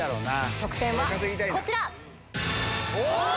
得点はこちら。